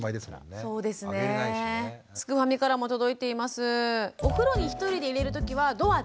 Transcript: すくファミからも届いています。